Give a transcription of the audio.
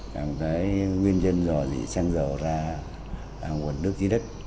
cảm thấy nguyên nhân rồi thì sang giàu ra nguồn nước dưới đất